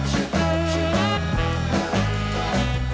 รับทราบ